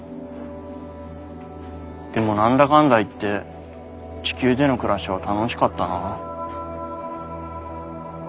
でも何だかんだ言って地球での暮らしは楽しかったな。